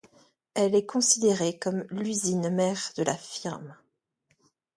Elle est considérée comme l'usine mère de la firme.